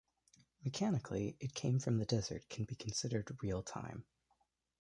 Mechanically, "It Came From the Desert" can be considered real-time.